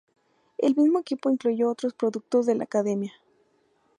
El mismo equipo incluyó otros productos de la academia.